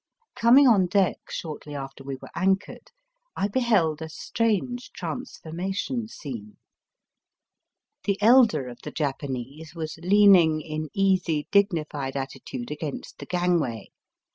Coming on deck shortly after we were anchored, I beheld a strange transformation scene. The elder of the Japanese was leaning in easy, dignified attitude against the gang way.